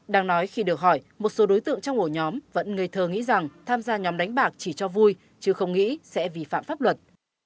đang nói khi được hỏi một số đối tượng trong ổ nhóm vẫn ngây thơ nghĩ rằng tham gia nhóm đánh bạc chỉ cho vui chứ không nghĩ sẽ vi phạm pháp luật